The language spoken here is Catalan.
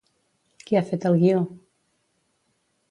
Qui ha fet el guió?